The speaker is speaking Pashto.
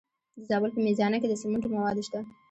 د زابل په میزانه کې د سمنټو مواد شته.